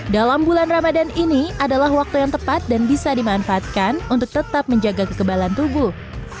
dalam bulan ramadan ini adalah waktu yang tepat dan bisa dimanfaatkan untuk tetap menjaga kekebalan tubuh